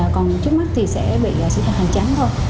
còn trước mắt thì sẽ bị xử phạt hành chánh thôi